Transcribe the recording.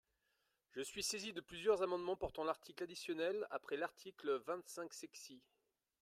Je suis saisi de plusieurs amendements portant article additionnel après l’article vingt-cinq sexies.